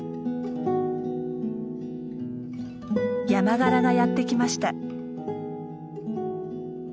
ヤマガラがやって来ました。